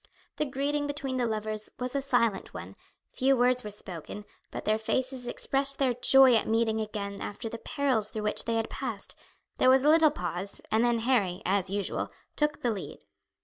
The greeting between the lovers was a silent one, few words were spoken, but their faces expressed their joy at meeting again after the perils through which they had passed; there was a little pause, and then Harry, as usual, took the lead.